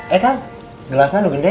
eh kang gelasnya udah gede